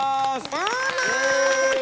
どうも！